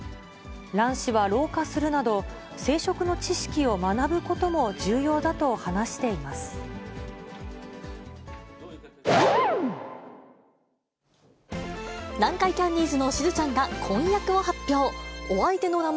卵子は老化するなど、生殖の知識を学ぶことも重要だと話しています。